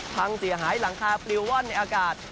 พังเสียหายหลังคาปลิวว่อนในอากาศ